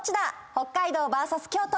北海道ＶＳ京都